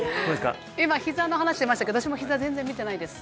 今ひざの話してましたけど私もひざ全然見てないです